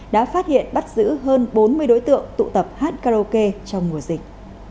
đã phát hiện bắt giữ hơn bốn mươi đối tượng tụ tập hát karaoke trong mùa dịch